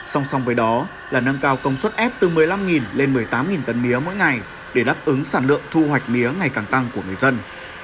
song song với đó là nâng cao công suất ép từ một mươi năm lên một mươi tám tấn mía mỗi ngày để đáp ứng sản lượng thu hoạch mía ngày càng tăng của người dân